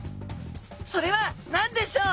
それは何でしょう？